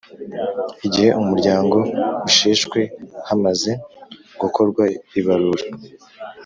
Igihe umuryango usheshwe hamaze gukorwa ibarura.